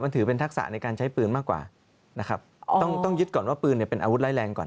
ถือเป็นทักษะในการใช้ปืนมากกว่านะครับต้องต้องยึดก่อนว่าปืนเนี่ยเป็นอาวุธร้ายแรงก่อน